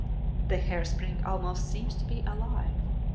The hairspring (9) almost seems to be alive.